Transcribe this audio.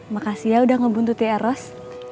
makasih ya udah ngebuntuti eros